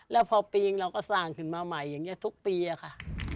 แล้วพอปีงเราก็สร้างขึ้นมาใหม่อย่างนี้ทุกปีอะค่ะ